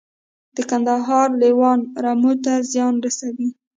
د کندهار لیوان رمو ته زیان رسوي؟